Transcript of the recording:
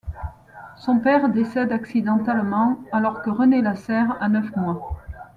Son père décède accidentellement alors que René Lasserre a neuf mois.